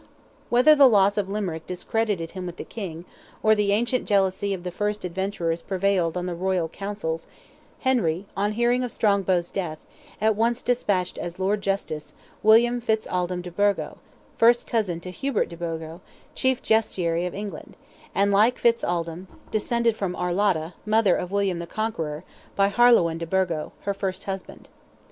Whether the loss of Limerick discredited him with the king, or the ancient jealousy of the first adventurers prevailed in the royal councils, Henry, on hearing of Strongbow's death, at once despatched as Lord Justice, William Fitz Aldelm de Burgo, first cousin to Hubert de Burgo, Chief Justiciary of England, and, like Fitz Aldelm, descended from Arlotta, mother of William the Conqueror, by Harlowen de Burgo, her first husband.